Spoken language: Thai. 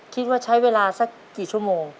คิดว่าใช้เวลาสักกี่ชั่วโมง